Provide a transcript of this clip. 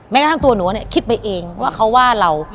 กระทั่งตัวหนูเนี่ยคิดไปเองว่าเขาว่าเรา